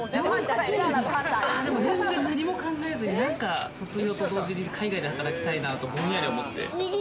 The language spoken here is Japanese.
何も考えずに卒業と同時に、海外で働きたいなとぼんやり思って。